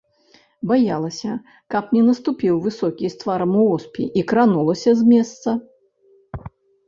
Баялася, каб не наступіў высокі з тварам у воспе, і кранулася з месца.